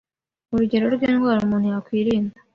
Urugero rw’indwara umuntu yakwirinda